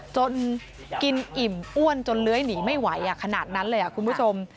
จนกินอิ่มอ้วนจนเลื้อยหนีไม่ไหวขนาดนั้นเลยคุณผู้ชม